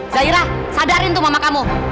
zairah sadarin tuh mama kamu